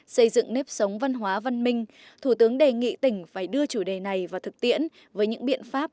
xây dựng nếp sống văn hóa văn minh thủ tướng đề nghị tỉnh phải đưa chủ đề này vào thực tiễn với những biện pháp